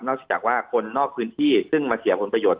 จากว่าคนนอกพื้นที่ซึ่งมาเสียผลประโยชน